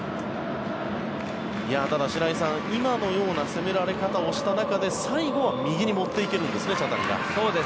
ただ、白井さん今のような攻められ方をした中で最後は右に持っていけるんですね茶谷が。